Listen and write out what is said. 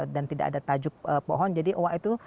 dan tidak ada tajuk pohon jadi oha itu